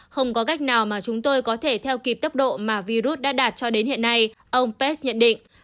không có cách nào mà chúng tôi có thể theo kịp tốc độ mà virus đã đạt cho đến hiện nay ông pes nhận định